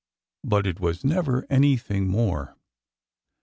But it was never anything more.